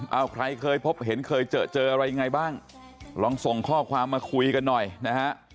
เอาใครเคยพบเห็นเคยเจอเจออะไรยังไงบ้างลองส่งข้อความมาคุยกันหน่อยนะฮะ